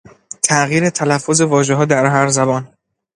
تغییر تلفظ واژهها در هر زبان